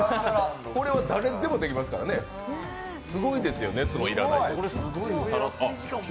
これは誰でもできますからね、すごいですね、熱も要らない。